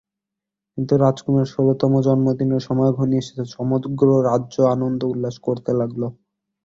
কিন্তু রাজকুমারীর ষোলতম জন্মদিনের সময় ঘনিয়ে এসেছে, সমগ্র রাজ্য আনন্দ উল্লাস করতে লাগল।